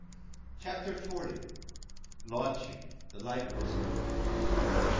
CHAPTER FORTY. LAUNCHING THE LIFE PRESERVER.